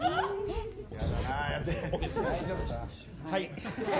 はい！